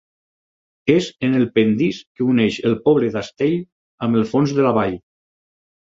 És en el pendís que uneix el poble d'Astell amb el fons de la vall.